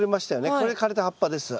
これ枯れた葉っぱです。